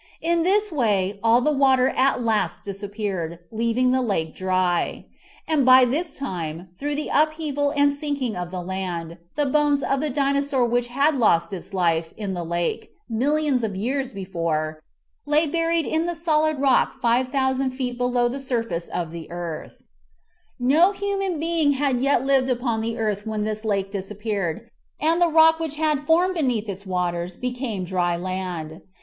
In this way all the water at last disappeared, leaving the lake dry. And by this time, through the upheaval and sinking of the land, the bones of the Dinosaur which had lost its life in the lake, millions of years before, lay buried in the solid rock five thousand feet below the surface of the earth. 40 MIGHTY ANIMALS No human being had yet lived upon the earth when this lake disappeared and the rock which had formed beneath its waters became dry land.